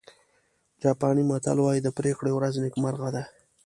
جاپاني متل وایي د پرېکړې ورځ نیکمرغه ده.